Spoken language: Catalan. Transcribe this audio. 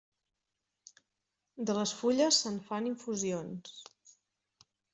De les fulles se'n fan infusions.